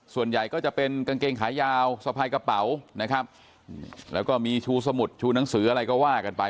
ส่วนใหญ่ก็จะเป็นกางเกงขายาวสะพายกระเป๋านะครับแล้วก็มีชูสมุดชูหนังสืออะไรก็ว่ากันไป